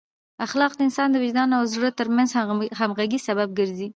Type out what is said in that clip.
اخلاق د انسان د وجدان او زړه ترمنځ د همغږۍ سبب ګرځي.